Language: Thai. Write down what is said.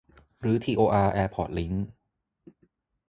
รื้อทีโออาร์แอร์พอร์ตลิงค์